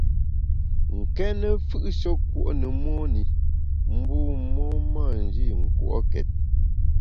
Nkéne mfù’she kùo’ ne mon i, bu mon mâ nji nkùo’ket.